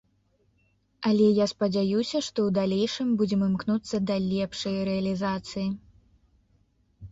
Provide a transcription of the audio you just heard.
Але я спадзяюся, што ў далейшым будзем імкнуцца да лепшай рэалізацыі.